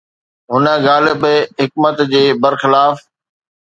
هن غالب حڪمت جي برخلاف